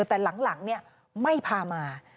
แต่หลังไม่พามา